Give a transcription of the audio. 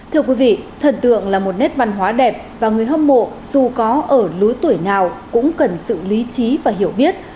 thưa quý vị thần tượng là một nét văn hóa đẹp và người hâm mộ dù có ở lứa tuổi nào cũng cần sự lý trí và hiểu biết